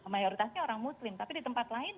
mayoritasnya orang muslim tapi di tempat lain